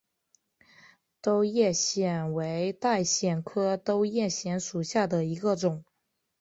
兜叶藓为带藓科兜叶藓属下的一个种。